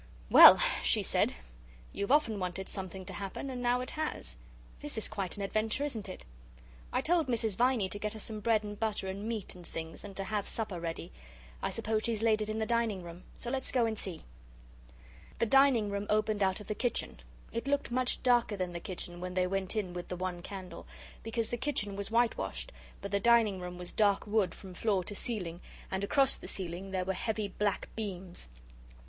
"Well," she said, "you've often wanted something to happen and now it has. This is quite an adventure, isn't it? I told Mrs. Viney to get us some bread and butter, and meat and things, and to have supper ready. I suppose she's laid it in the dining room. So let's go and see." The dining room opened out of the kitchen. It looked much darker than the kitchen when they went in with the one candle. Because the kitchen was whitewashed, but the dining room was dark wood from floor to ceiling, and across the ceiling there were heavy black beams.